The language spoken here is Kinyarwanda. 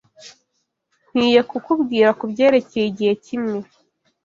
Nkwiye kukubwira kubyerekeye igihe kimwe.